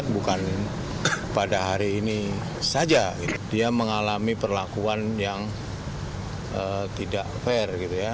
bukan pada hari ini saja dia mengalami perlakuan yang tidak fair